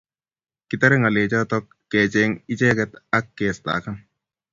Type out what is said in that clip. kitare ngalechoto kecheng icheget ak kestagan